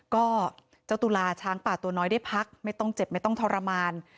ก็เจ้าตุลาช้างป่าตัวน้อยได้พักไม่ต้องเจ็บไม่ต้องทรมาน